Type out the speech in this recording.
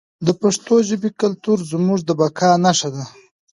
د پښتو ژبې کلتور زموږ د بقا نښه ده.